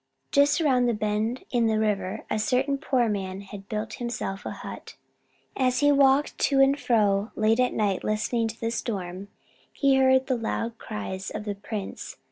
Just around the bend in the river a certain poor man had built himself a hut. As he walked to and fro late at night listening to the storm, he heard the loud cries of the prince.